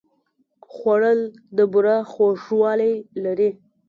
خوړل د بوره خوږوالی لري